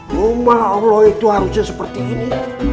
rumah allah itu harusnya seperti ini